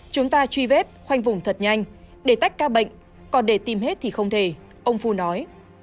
chúng ta truy vết khoanh vùng thật nhanh để tách ca bệnh còn để tìm hết thì không thể ông phu nói